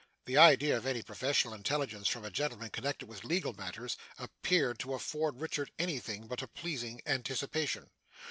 The idea of any professional intelligence from a gentleman connected with legal matters, appeared to afford Richard any thing but a pleasing anticipation.